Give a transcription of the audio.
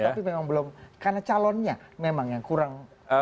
tapi memang belum karena calonnya memang yang kurang